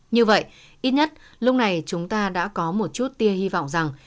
như vậy ít nhất lúc này chúng ta đã có một chút tia hy vọng rằng